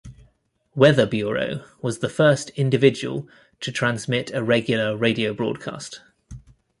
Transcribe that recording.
Weather Bureau was the first individual to transmit a regular radio broadcast.